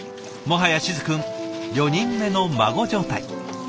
もはや静くん４人目の孫状態。